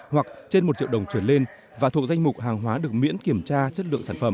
hoặc trên một triệu đồng trở lên và thuộc danh mục hàng hóa được miễn kiểm tra chất lượng sản phẩm